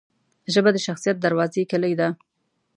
ژبه د شخصیت دروازې کلۍ ده